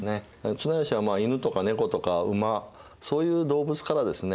綱吉は犬とか猫とか馬そういう動物からですね